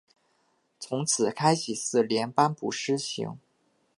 从开禧四年颁布施行。